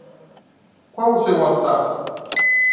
Qual o seu WhatsApp?